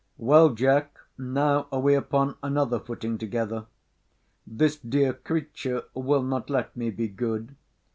Well, Jack, now are we upon another footing together. This dear creature will not let me be good.